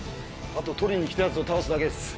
あとは取りに来たヤツを倒すだけです。